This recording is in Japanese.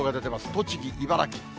栃木、茨城。